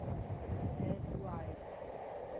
Ted White